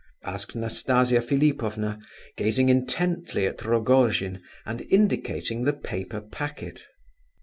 asked Nastasia Philipovna, gazing intently at Rogojin, and indicating the paper packet.